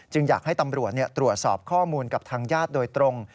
อยากให้ตำรวจตรวจสอบข้อมูลกับทางญาติโดยตรง